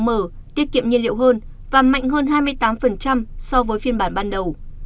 g ba mươi f sáu m tiết kiệm nhiên liệu hơn và mạnh hơn hai mươi tám so với phiên bản ban đầu